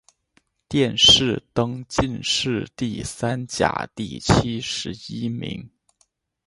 殿试登进士第三甲第七十一名。